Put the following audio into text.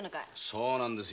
そうなんで。